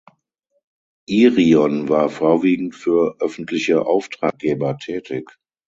Irion war vorwiegend für öffentliche Auftraggeber tätig.